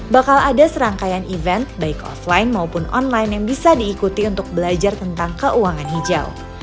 bakal ada serangkaian event baik offline maupun online yang bisa diikuti untuk belajar tentang keuangan hijau